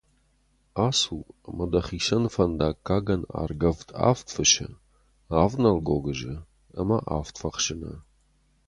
Ацу ӕмӕ дӕхицӕн фӕндаггагӕн аргӕвд авд фысы, авд нӕл гогызы ӕмӕ авд фӕхсыны.